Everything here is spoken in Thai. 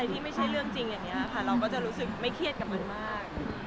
ที่ไม่ใช่เรื่องจริงอย่างนี้ค่ะเราก็จะรู้สึกไม่เครียดกับมันมาก